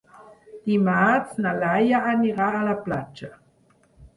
Dimarts na Laia anirà a la platja.